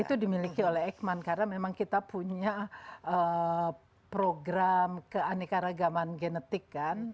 itu dimiliki oleh ekman karena memang kita punya program keanekaragaman genetik kan